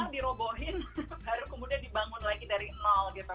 dirobohin baru kemudian dibangun lagi dari nol gitu